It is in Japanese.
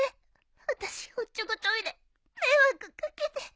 私おっちょこちょいで迷惑掛けて。